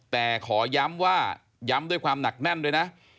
แต่ขอย้ำว่าย้ำด้วยความหนักแน่นด้วยนะ